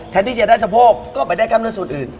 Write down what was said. ที่จะได้สะโพกก็ไปได้กล้ามเนื้อส่วนอื่น